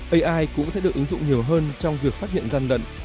ai cũng sẽ được ứng dụng nhiều hơn trong việc phát hiện gian lận